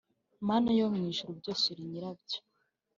Mana yo mu ijuru byose uri nyirabyo